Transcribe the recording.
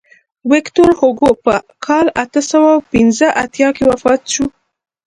ویکتور هوګو په کال اته سوه پنځه اتیا کې وفات شو.